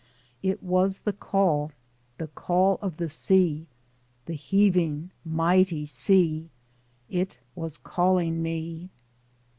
It was the call, the call of the sea; the heaving, mighty sea, it was calling me.